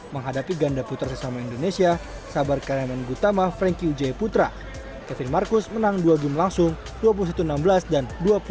menghadapi ganda putra sesama indonesia sabar karyamen gutama franky wijaya putra kevin marcus menang dua game langsung dua puluh satu enam belas dan dua puluh satu enam belas